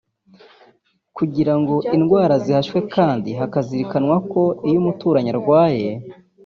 kugirango indwara zihashywe kandi hakazirikanwa ko iyo umuturanyi arwaye